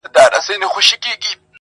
دا د کهف د اصحابو د سپي خپل دی,